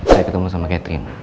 saya ketemu sama catherine